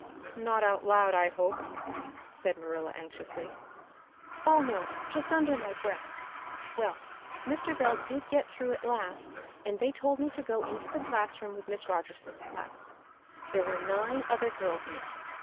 "Not out loud, I hope," said Marilla anxiously. "Oh, no, just under my breath. Well, Mr. Bell did get through at last and they told me to go into the classroom with Miss Rogerson's class. There were nine other girls in it.